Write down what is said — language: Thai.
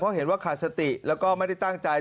เพราะเห็นว่าขาดสติแล้วก็ไม่ได้ตั้งใจ